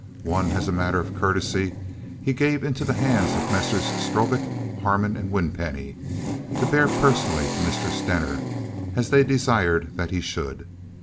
One, as a matter of courtesy, he gave into the hands of Messrs. Strobik, Harmon, and Winpenny, to bear personally to Mr. Stener, as they desired that he should.